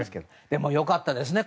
でも良かったですね